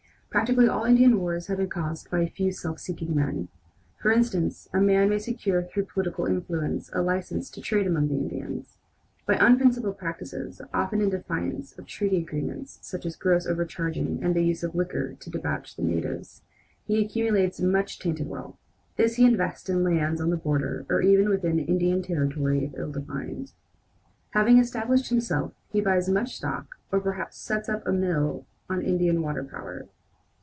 Practically all Indian wars have been caused by a few self seeking men. For instance, a man may secure through political influence a license to trade among the Indians. By his unprincipled practices, often in defiance of treaty agreements, such as gross overcharging and the use of liquor to debauch the natives, he accumulates much tainted wealth. This he invests in lands on the border or even within the Indian territory if ill defined. Having established himself, he buys much stock, or perhaps sets up a mill on Indian water power.